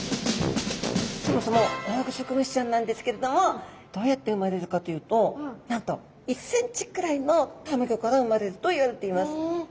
そもそもオオグソクムシちゃんなんですけれどもどうやって産まれるかというとなんと１ｃｍくらいのたまギョから産まれるといわれています。